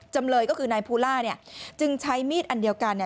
จำเลยก็คือนายพุร่าจึงใช้มีดอันเดียวกัน